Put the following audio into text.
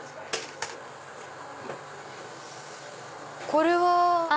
これは？